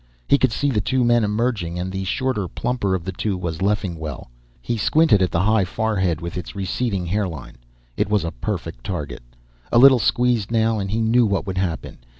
He could see the two men emerging, and the shorter, plumper of the two was Leffingwell. He squinted at the high forehead with its receding hairline; it was a perfect target. A little squeeze now and he knew what would happen.